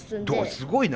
すごいな！